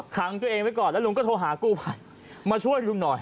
ขังตัวเองไว้ก่อนแล้วลุงก็โทรหากู้ภัยมาช่วยลุงหน่อย